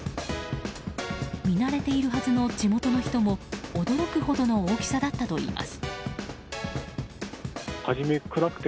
見慣れているはずの地元の人も驚くほどの大きさだったといいます。